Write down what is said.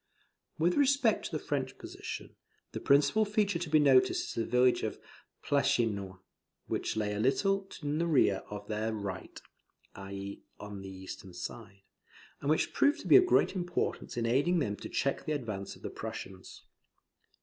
With respect to the French position, the principal feature to be noticed is the village of Planchenoit, which lay a little in the rear of their right (I.E. on the eastern side), and which proved to be of great importance in aiding them to check the advance of the Prussians.